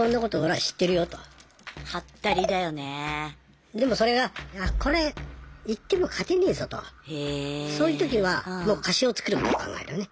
そういう場合はでもそれがこれいっても勝てねえぞとそういう時はもう貸しを作ることを考えるよね。